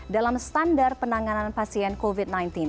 dalam standar penanganan pasien covid sembilan belas